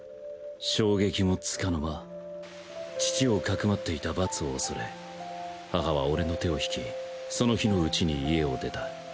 衝撃も束の間父を匿っていた罰を恐れ母は俺の手を引きその日のうちに家を出た。